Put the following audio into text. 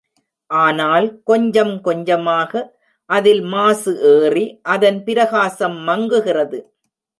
ஆனால் கொஞ்சம் கொஞ்சமாக அதில் மாசு ஏறி, அதன் பிரகாசம் மங்குகிறது.